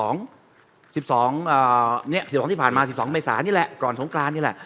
๑๒เนี่ย๑๒ที่ผ่านมา๑๒บริษณะนี้แหละก่อนสงครานนี้แหละ